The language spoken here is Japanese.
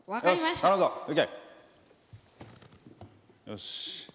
よし。